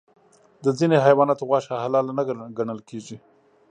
د ځینې حیواناتو غوښه حلال نه ګڼل کېږي.